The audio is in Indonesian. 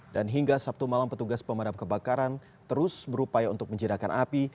dan hingga sabtu malam petugas pemadam kebakaran terus berupaya untuk menjirakan api